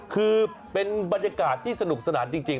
คือเป็นบรรยากาศที่สนุกสนานจริง